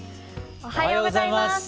おはようございます。